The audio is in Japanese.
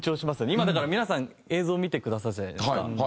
今だから皆さん映像見てくださるじゃないですか。